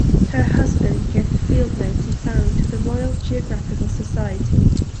Her husband gave the field notes he found to the Royal Geographical Society.